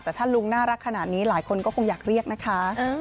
แต่ถ้าลุงน่ารักขนาดนี้หลายคนก็คงอยากเรียกนะคะ